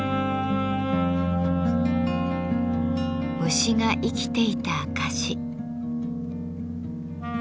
虫が生きていた証し。